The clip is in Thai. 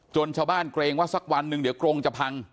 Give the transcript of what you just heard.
ชาวบ้านเกรงว่าสักวันหนึ่งเดี๋ยวกรงจะพัง